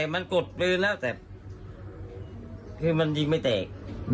มันกดปืนแล้วแต่คือมันยิงไม่แตก